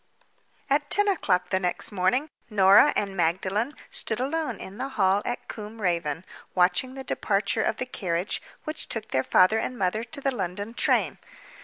At ten o'clock the next morning Norah and Magdalen stood alone in the hall at Combe Raven watching the departure of the carriage which took their father and mother to the London train.